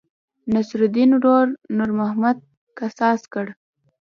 نصرالیدن ورور نور محمد قصاص کړ.